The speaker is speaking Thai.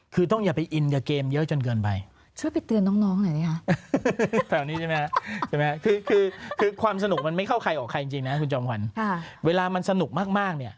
คือต้องอย่าไปอินกับเกมเยอะจนเกินไป